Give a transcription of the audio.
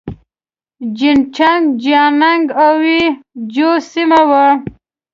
جين چنګ جيانګ او يي جو سيمه وه.